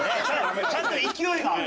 ちゃんと勢いがある。